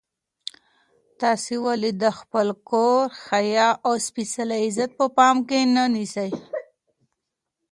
تاسو ولې د خپل کور حیا او سپېڅلی عزت په پام کې نه نیسئ؟